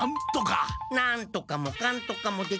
なんとかもかんとかもできません。